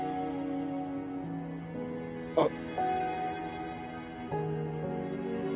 あっ。